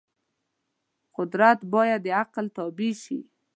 قدرت باید د عقل تابع شي.